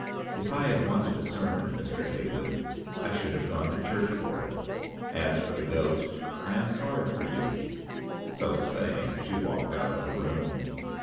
'If I had wanted a sermon, Mr. Heywood, I should have gone to church for it. As for the ghost, I am sorry for you.' So saying she walked out of the room.